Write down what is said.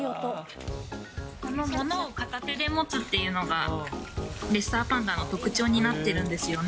物を片手で持つっていうのがレッサーパンダの特徴になってるんですよね。